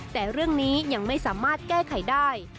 แต่เรื่องนี้ยังไม่สามารถแก้ไขได้